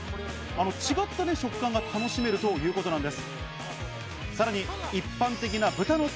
違った食感が楽しめるということなんです。